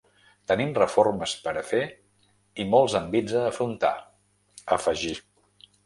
Tenim reformes per a fer i molts envits a afrontar, afegí.